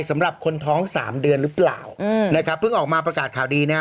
สำหรับคนท้องสามเดือนหรือเปล่าอืมนะครับเพิ่งออกมาประกาศข่าวดีนะฮะ